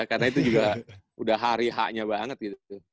karena itu juga udah hari h nya banget gitu